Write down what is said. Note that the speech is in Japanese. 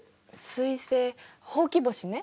彗星ほうき星ね。